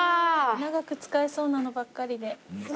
長く使えそうなのばっかりで。